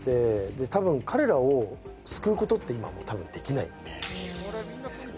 たぶん彼らを救うことって今もうたぶんできないですよね